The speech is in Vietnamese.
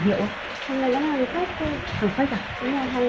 tuy nhiên khi hỏi nếu là hàng chính hãng thì chúng tôi có thể bảo hành tại hãng được không